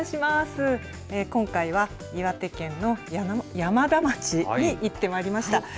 今回は岩手県の山田町に行ってまいりました。